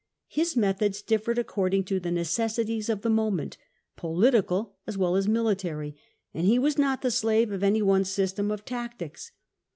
His methods differed according to the necessities of the moment, political as well as military, and he was not the slave of any one system of tactics.